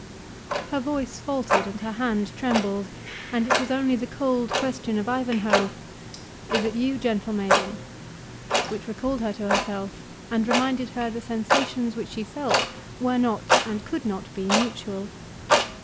Her voice faltered and her hand trembled, and it was only the cold question of Ivanhoe, "Is it you, gentle maiden?" which recalled her to herself, and reminded her the sensations which she felt were not and could not be mutual.